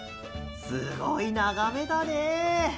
すごいながめだね！